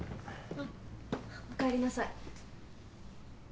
あっおかえりなさい。